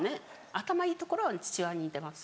頭いいところは父親に似てます。